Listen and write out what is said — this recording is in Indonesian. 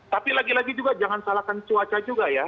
tapi lagi lagi juga jangan salahkan cuaca juga ya